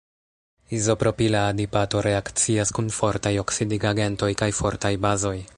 Izopropila adipato reakcias kun fortaj oksidigagentoj kaj fortaj bazoj.